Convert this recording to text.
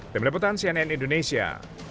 demi deputan cnn indonesia